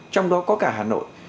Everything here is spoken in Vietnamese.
trong đó có cả hà nội